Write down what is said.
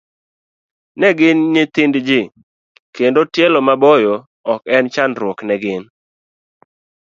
Ne gin nyithind ji kendo, tielo maboyo ne ok en chandruok ne gin.